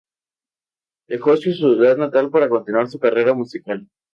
Dejó su ciudad natal para continuar su carrera musical.